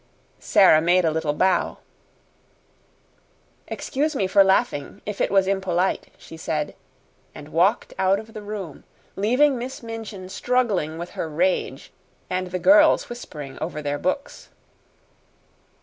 Sara made a little bow. "Excuse me for laughing if it was impolite," she said, and walked out of the room, leaving Miss Minchin struggling with her rage, and the girls whispering over their books.